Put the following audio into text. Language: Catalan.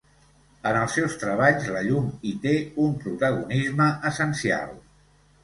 En els seus treballs la llum hi té un protagonisme essencial.